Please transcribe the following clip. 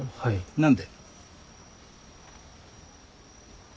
何で？